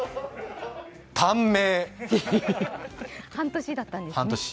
短命、半年だったんですね。